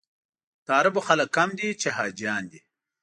د عربو خلک کم دي چې حاجیان دي.